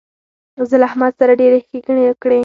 زه له احمد سره ډېرې ښېګڼې وکړې.